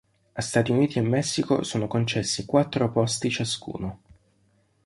A Stati Uniti e Messico sono concessi quattro posti ciascuno.